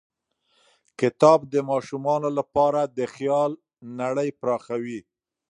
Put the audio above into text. کتاب د ماشومانو لپاره د خیال نړۍ پراخوي.